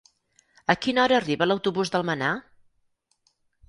A quina hora arriba l'autobús d'Almenar?